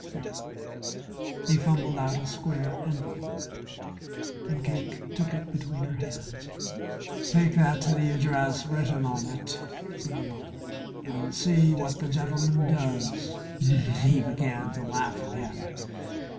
Here," he fumbled out a square envelope and Cake took it between her hands. "Take that to the address written on it," said the lodger, "and see what the gentleman does." He began to laugh again.